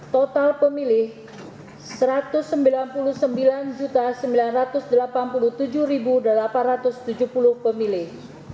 total pemilih satu ratus sembilan puluh sembilan sembilan ratus delapan puluh tujuh delapan ratus tujuh puluh pemilih